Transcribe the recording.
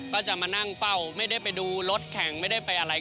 ก็จะมานั่งเฝ้าไม่ได้ไปดูรถแข่งไม่ได้ไปอะไร